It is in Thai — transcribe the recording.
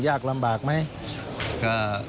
ยากลำบากไหม